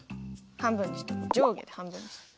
半分にした上下で半分にした。